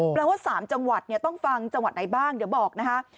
แปลว่า๓จังหวัดต้องฟังจังหวัดไหนบ้างเดี๋ยวบอกนะคะ